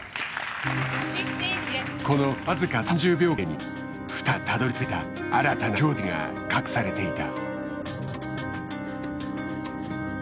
この僅か３０秒間のプレーに２人がたどりついた新たな境地が隠されていた。